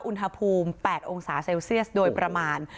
อุณหภูมิ๘องศาเซลเซียสโดยประมาณ